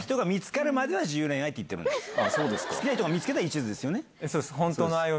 好きな人見つけたらいちずですよね？